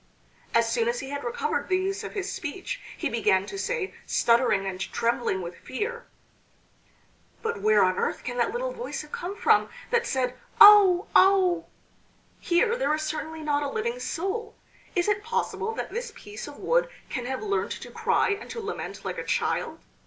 As soon as he had recovered the use of his speech, he began to say, stuttering and trembling with fear: "But where on earth can that little voice have come from that said 'Oh! oh!?'... Here there is certainly not a living soul. Is it possible that this piece of wood can have learnt to cry and to lament like a child?